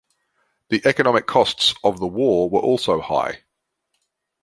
The economic costs of the war were also high.